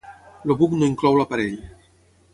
El buc no inclou l'aparell.